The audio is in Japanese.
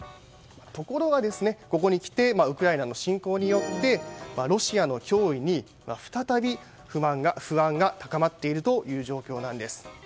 ところがここにきてウクライナの侵攻によってロシアの脅威に、再び不安が高まっているという状況なんです。